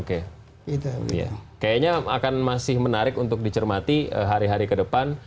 kayaknya akan masih menarik untuk dicermati hari hari ke depan